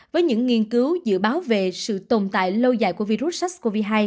với những nghiên cứu dự báo về sự tồn tại lâu dài của virus sars cov hai